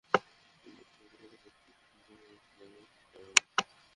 ঘুম নষ্টের ক্ষতি নিয়ে আগে যেমনটি আশঙ্কা করা হচ্ছিল, বাস্তবতা তার চেয়েও ভয়ংকর।